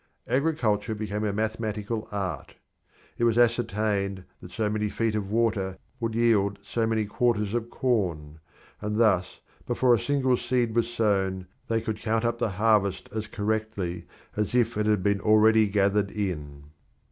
Agriculture became a mathematical art. It was ascertained that so many feet of water would yield so many quarters of corn, and thus, before a single seed was sown, they could count up the harvest as correctly as if it had been already gathered in.